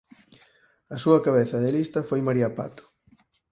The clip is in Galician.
A súa cabeza de lista foi María Pato.